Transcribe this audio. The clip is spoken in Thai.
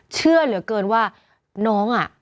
เชื่อเหลือเกินว่าน้องอ่ะ